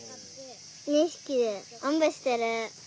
２ひきでおんぶしてる。